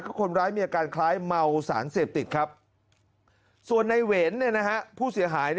คนร้ายมีอาการคล้ายเมาสารเสพติดครับส่วนในเวรผู้เสียหาย